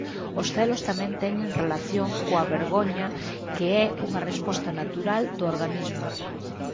Os celos tamén teñen relación coa vergoña que é unha resposta natural do organismo.